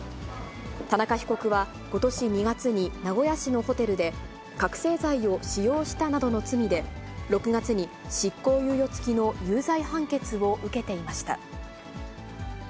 田中被告はことし２月に名古屋市のホテルで、覚醒剤を使用したなどの罪で、６月に執行猶予付きの有罪判決を受けていました。